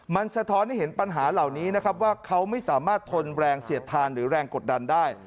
มันสะท้อนให้เห็นปัญหาเหล่านี้นะครับว่าเขาไม่สามารถทนแรงเสียดทานหรือแรงกดดันได้